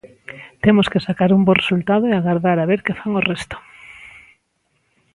Temos que sacar un bo resultado e agardar a ver que fan o resto.